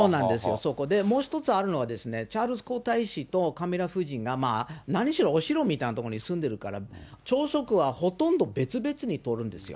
そこでもう一つあるのはですね、チャールズ皇太子とカミラ夫人が、何しろお城みたいなところに住んでるから、朝食はほとんど別々にとるんですよ。